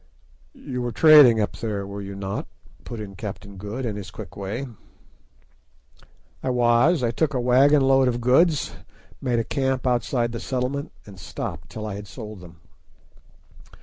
"You were trading there, were you not?" put in Captain Good, in his quick way. "I was. I took up a wagon load of goods, made a camp outside the settlement, and stopped till I had sold them."